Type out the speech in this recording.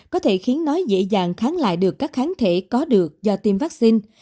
có thể khiến nó dễ dàng kháng lại được các kháng thể có được do tiêm vaccine